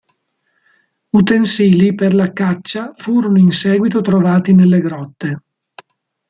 Utensili per la caccia furono in seguito trovati nelle grotte.